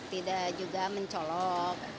tidak juga mencolok